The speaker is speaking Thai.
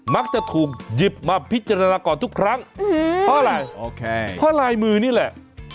มักจะถูกหยิบมาพิจารณาก่อนทุกครั้งเพราะลายมือนี่แหละ